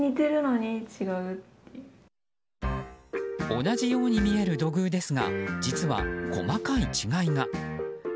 同じように見える土偶ですが実は細かい違いが。